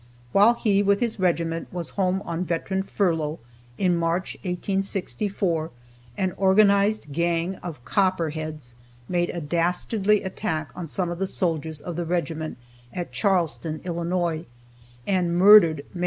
While he, with his regiment, was home on veteran furlough, in March, 1864, an organized gang of Copperheads made a dastardly attack on some of the soldiers of the regiment at Charleston, Illinois, and murdered Maj.